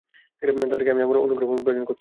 তাদেরকে আমি আমার অনুগ্রহভাজন করেছিলাম।